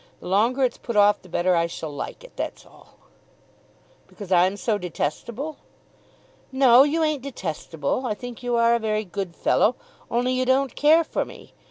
"The longer it's put off the better I shall like it; that's all." "Because I'm so detestable?" "No, you ain't detestable. I think you are a very good fellow; only you don't care for me.